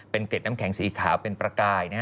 เป็นเกร็ดน้ำแข็งสีขาวเป็นประกายนะฮะ